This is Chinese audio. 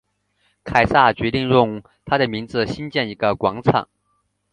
凯撒决定要用他的名兴建一个广场。